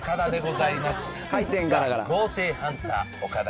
さあ、豪邸ハンター、岡田。